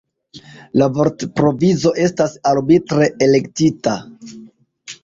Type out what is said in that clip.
La vortprovizo estas arbitre elektita.